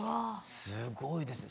すごいですね。